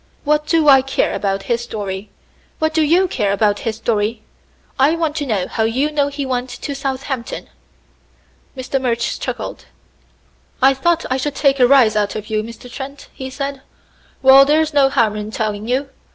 "What do I care about his story? What do you care about his story? I want to know how you know he went to Southampton." Mr. Murch chuckled. "I thought I should take a rise out of you, Mr. Trent," he said. "Well, there's no harm in telling you.